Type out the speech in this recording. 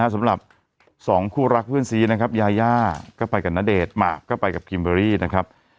สำหรับ๒คู่รักเพื่อนซีนะครับยายาก็ไปกับณเดชน์หมากก็ไปกับคิมเบอรี่นะครับ